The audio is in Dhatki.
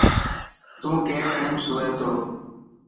تون ڪي ٽائم سوئي تو.